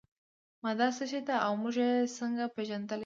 ماده څه شی ده او موږ یې څنګه پیژندلی شو